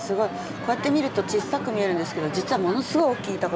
こうやって見ると小さく見えるんですけど実はものすごい大きい凧なんですね。